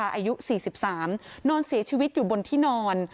อายุ๔๓นอนเสียชีวิตอยู่บนที่นอน